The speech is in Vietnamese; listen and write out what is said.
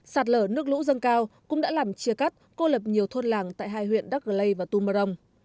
sạt lở nước lũ dân cao cũng đã làm chia cắt cô lập nhiều thôn làng tại hai huyện đắk lây và tum marong